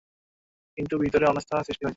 কিন্তু ভিতরে অনাস্থা সৃষ্টি হয়েছিল।